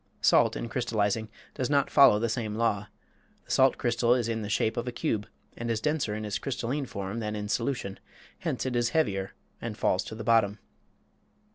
Salt in crystallizing does not follow the same law; the salt crystal is in the shape of a cube and is denser in its crystalline form than in solution, hence it is heavier and falls to the bottom.